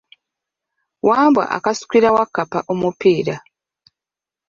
Wambwa akasukira Wakkapa omupiira.